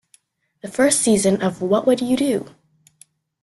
The first season of What Would You Do?